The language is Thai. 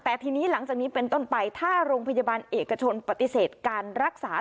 แต่ทีนี้หลังจากนี้เป็นต้นไปถ้าโรงพยาบาลเอกชนปฏิเสธการรักษา